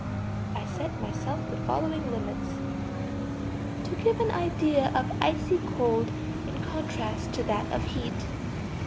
I set myself the following limits: To give an idea of icy cold in contrast to that of heat.